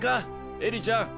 エリちゃん。